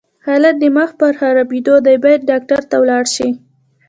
حالت دې مخ پر خرابيدو دی، بايد ډاکټر ته ولاړ شې!